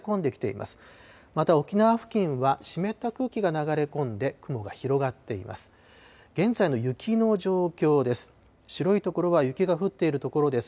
また沖縄付近は、湿った空気が流れ込んで、雲が広がっています。